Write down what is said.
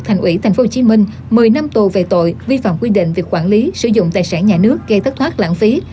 thành ủy tp hcm một mươi năm tù về tội vi phạm quy định về quản lý sử dụng tài sản nhà nước gây thất thoát lãng phí